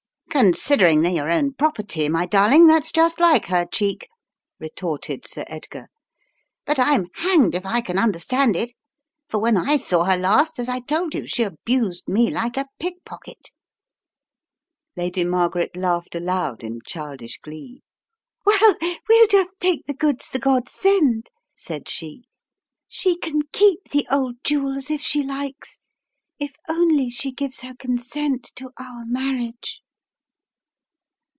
* "Considering they're your own property, my darling, that's just like her cheek," retorted Sir Edgar. "But I'm hanged if I can understand it, for when I saw her last, as I told you, she abused me like a pickpocket." Lady Margaret laughed aloud in childish glee. "Well, we'll just take the goods the gods send," said she. "She can keep the old jewels if she likes, if only she gives her consent to our marriage."